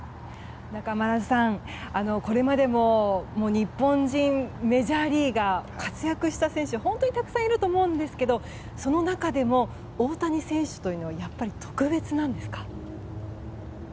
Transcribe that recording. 中丸さん、これまでも日本人メジャーリーガー活躍した選手は本当にたくさんいると思うんですけどその中でも大谷選手というのはやっぱり特別なんですか？